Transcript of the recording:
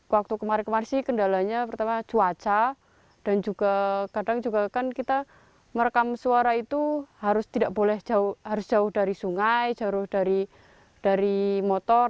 waktu kemarin kemarin sih kendalanya pertama cuaca dan juga kadang juga kan kita merekam suara itu harus tidak boleh harus jauh dari sungai jauh dari motor